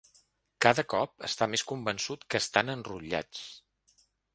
Cada cop està més convençut que estan enrotllats.